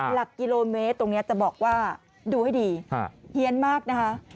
หลักกิโลเมตรตรงนี้จะบอกว่าดูให้ดีเฮียนมากนะคะ